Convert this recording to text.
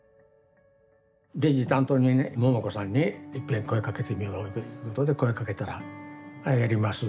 レジ担当にねももこさんにいっぺん声かけてみようということで声かけたら「あっやります」